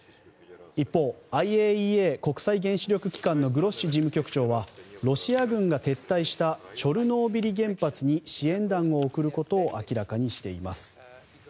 一方ＩＡＥＡ・国際原子力機関のグロッシ事務局長はロシア軍が撤退したチョルノービリ原発に支援団を送ることを明らかにしています。